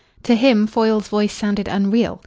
To him Foyle's voice sounded unreal.